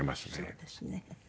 そうですね。